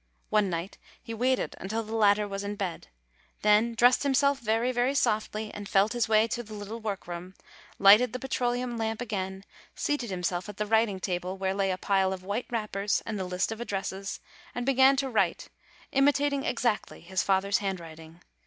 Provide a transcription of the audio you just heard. One night he waited until the latter was in bed, then dressed himself very, very softly, and felt his way to the little work room, lighted the petroleum lamp again, seated him self at the writing table, where lay a pile of white wrappers and the list of addresses, and began to write, imitating exactly his father's handwriting.